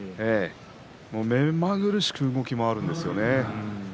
目まぐるしく動き回るんですね。